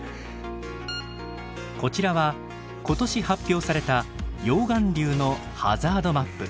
こちらは今年発表された溶岩流のハザードマップ。